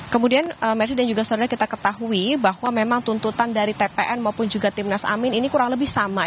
kemudian messi dan juga saudara kita ketahui bahwa memang tuntutan dari tpn maupun juga timnas amin ini kurang lebih sama